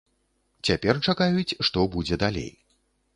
Цяпер чакаюць, што будзе далей.